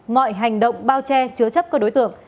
mọi hành động bao che chứa chấp các đối tượng